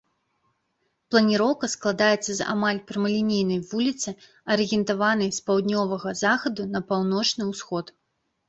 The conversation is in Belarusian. Планіроўка складаецца з амаль прамалінейнай вуліцы, арыентаванай з паўднёвага захаду на паўночны ўсход.